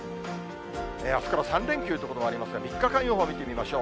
あすから３連休の所もありますが、３日間予報見てみましょう。